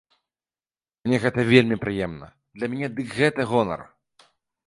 Мне гэта вельмі прыемна, для мяне дык гэта гонар.